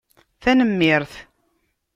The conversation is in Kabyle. Tanemmirt.